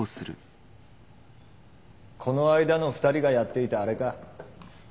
この間の２人がやっていたあれか。